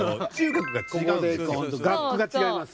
学区が違います。